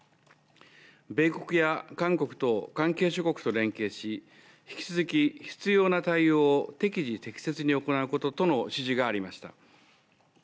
米国や韓国等、関係諸国と連携し、引き続き必要な対応を適時適切に行うこととの指示がありました。